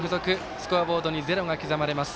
スコアボードにゼロが刻まれます。